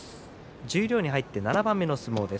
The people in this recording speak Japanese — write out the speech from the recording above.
十両に入って７番目の相撲です。